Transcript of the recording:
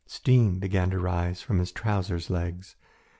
Steam began to rise from his trousers legs.